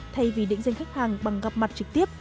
thay vì định danh khách hàng bằng gặp mặt trực tiếp